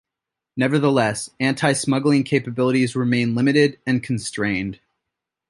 Nevertheless, anti smuggling capabilities remain limited and constrained.